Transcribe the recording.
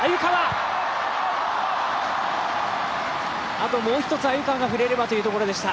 あともう一つ、鮎川が触れればというところでした。